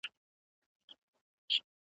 هر یو هډ یې له دردونو په ضرور سو `